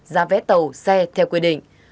giá vé tàu xe theo quy định